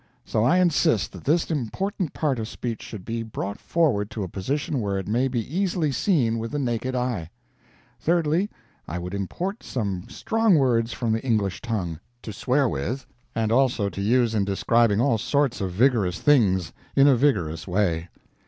So I insist that this important part of speech should be brought forward to a position where it may be easily seen with the naked eye. Thirdly, I would import some strong words from the English tongue to swear with, and also to use in describing all sorts of vigorous things in a vigorous way.